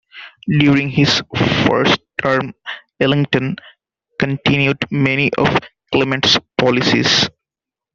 During his first term, Ellington continued many of Clement's policies.